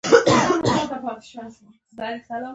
ایمیل رسمیت لري؟